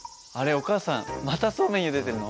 お母さんまたそうめんゆでてるの？